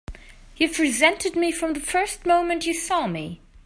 You've resented me from the first moment you saw me!